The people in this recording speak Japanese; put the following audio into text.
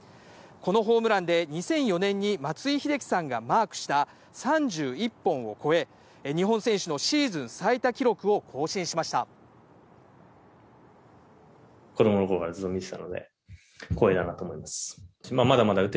このホームランで２００４年に松井秀喜さんがマークした３１本を超え、日本選手のシーズン最多記録を更新しました。